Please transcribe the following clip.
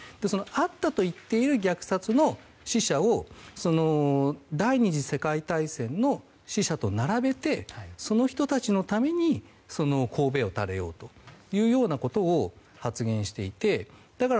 あったといっている虐殺の死者を第２次世界大戦の死者と並べてその人たちのためにこうべを垂れようというようなことを発言していて。